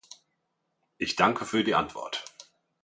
Ich danke für die Antwort.